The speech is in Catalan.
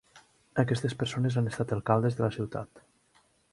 Aquestes persones han estat alcaldes de la ciutat.